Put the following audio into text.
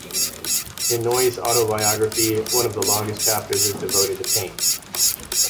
In Noyes' autobiography, one of the longest chapters is devoted to Pain.